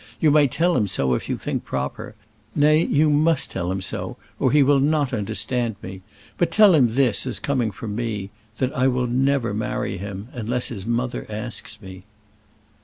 You may tell him so if you think proper nay, you must tell him so, or he will not understand me. But tell him this, as coming from me: that I will never marry him, unless his mother asks me."